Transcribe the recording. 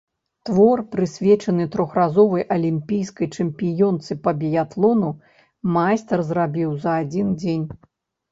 Твор, прысвечаны трохразовай алімпійскай чэмпіёнцы па біятлону, майстар зрабіў за адзін дзень.